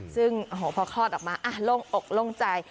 ซึ่งพอคลอดออกมาโล่งอกโล่งใจ